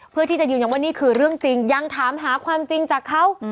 เพื่อที่จะยืนยันว่านี่คือเรื่องจริงยังถามหาความจริงจากเขา